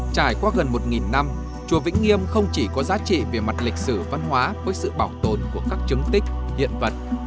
trải qua gần một năm chùa vĩnh nghiêm không chỉ có giá trị về mặt lịch sử văn hóa với sự bảo tồn của các chứng tích hiện vật